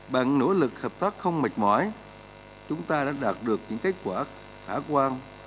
bằng nỗ lực hợp tác không mệt mỏi chúng ta đã đạt được những kết quả khả quan